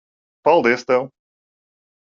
Paldies tev.